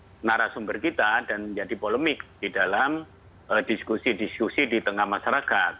dengan narasumber kita dan menjadi polemik di dalam diskusi diskusi di tengah masyarakat